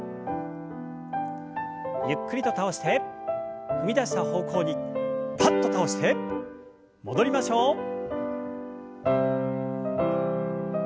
ゆっくりと倒して踏み出した方向にパッと倒して戻りましょう。